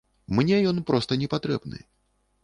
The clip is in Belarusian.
Мне ён проста не патрэбны.